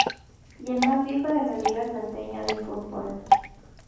Y el más viejo de la Liga Salteña de Football.